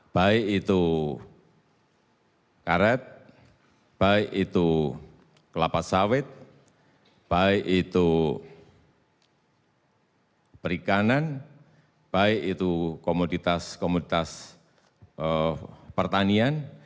baik itu karet baik itu kelapa sawit baik itu perikanan baik itu komoditas komoditas pertanian